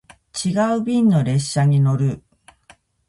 違う便の列車に乗る